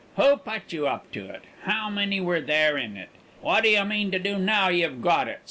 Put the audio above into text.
Who put you up to it? How many were there in it? What do you mean to do now you've got it?